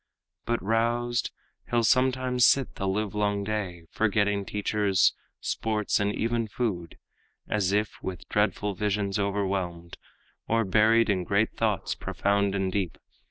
But roused, he'll sometimes sit the livelong day, Forgetting teachers, sports and even food, As if with dreadful visions overwhelmed, Or buried in great thoughts profound and deep.